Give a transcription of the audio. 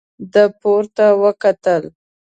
ده پورته وکتل.